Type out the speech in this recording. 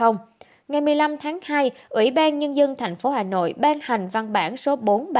ngày một mươi năm tháng hai ủy ban nhân dân thành phố hà nội ban hành văn bản số bốn trăm ba mươi hai